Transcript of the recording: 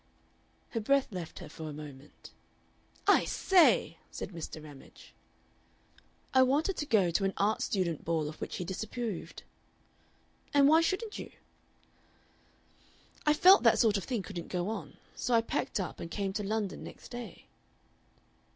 Her breath left her for a moment. "I SAY!" said Mr. Ramage. "I wanted to go to an art student ball of which he disapproved." "And why shouldn't you?" "I felt that sort of thing couldn't go on. So I packed up and came to London next day."